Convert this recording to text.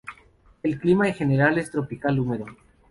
El clima en general es tropical húmedo.